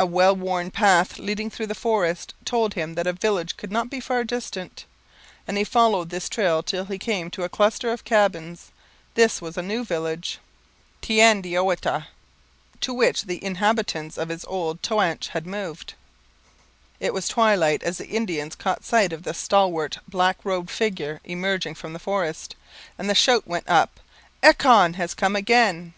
A well worn path leading through the forest told him that a village could not be far distant, and he followed this trail till he came to a cluster of cabins. This was a new village, Teandeouiata, to which the inhabitants of his old Toanche had moved. It was twilight as the Indians caught sight of the stalwart, black robed figure emerging from the forest, and the shout went up, 'Echon has come again!'